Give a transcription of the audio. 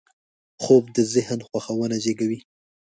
خوب د ذهن خوښونه زېږوي